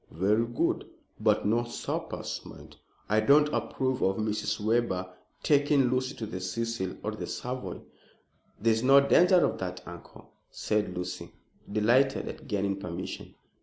"Very good; but no suppers, mind. I don't approve of Mrs. Webber taking Lucy to the Cecil or the Savoy." "There is no danger of that, uncle," said Lucy, delighted at gaining permission.